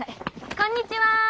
こんにちは。